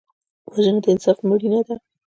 وژنه د انصاف مړینه ده